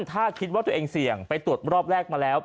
ถ้าคิดว่าตัวเองเสี่ยงไปตรวจรอบแรกมาแล้ว